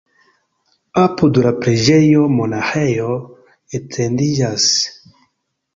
Apud la preĝejo monaĥejo etendiĝas.